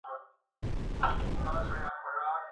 زه اوږده وخت د سبا لپاره د تمرينونو ترسره کول کوم وم.